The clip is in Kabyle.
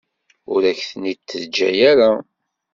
Ur ak-ten-id-teǧǧa ara.